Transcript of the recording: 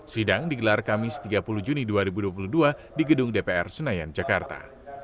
sidang digelar kamis tiga puluh juni dua ribu dua puluh dua di gedung dpr senayan jakarta